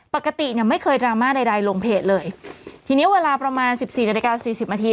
ปกติเนี่ยไม่เคยดราม่าใดใดลงเพจเลยทีเนี้ยเวลาประมาณสิบสี่นาฬิกาสี่สิบนาที